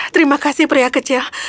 terima kasih pria kecil